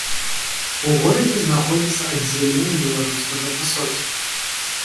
У горадзе знаходзіцца аддзяленне беларускага пасольства.